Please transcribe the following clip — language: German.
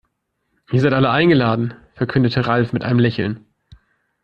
Ihr seid alle eingeladen, verkündete Ralf mit einem Lächeln.